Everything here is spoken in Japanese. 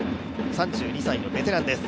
３２歳のベテランです。